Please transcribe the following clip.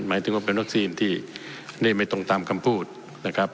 หมายถึงว่าเป็นวัคซีนที่นี่ไม่ตรงตามคำพูดนะครับ